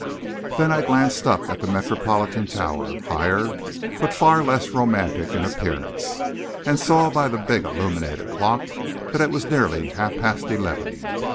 Then I glanced up at the Metropolitan tower, higher but far less romantic in appearance, and saw by the big illuminated clock that it was nearly half past eleven.